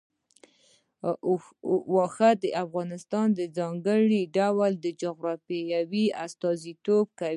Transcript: اوښ د افغانستان د ځانګړي ډول جغرافیه استازیتوب کوي.